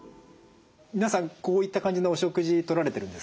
皆さんこういった感じのお食事とられてるんですか？